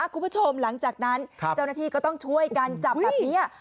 คุณผู้ชมหลังจากนั้นเจ้าหน้าที่ก็ต้องช่วยกันจับแบบนี้